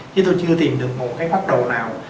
chứ tôi chưa tìm được một cái pháp đồ nào